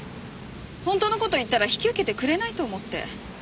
本当の事言ったら引き受けてくれないと思って。